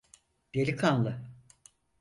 Delikanlı!